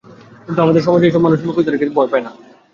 কিন্তু আমাদের সমাজে এসব মানুষ মুখোশধারীকে কোনো সংজ্ঞায় ফেলা যায় না।